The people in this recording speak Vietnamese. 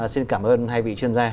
xin cảm ơn hai vị chuyên gia